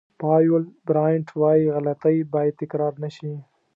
پایول براینټ وایي غلطۍ باید تکرار نه شي.